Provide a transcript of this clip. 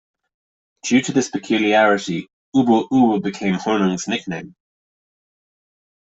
Due to this peculiarity, "Ubbo Ubbo" became Hornung's nickname.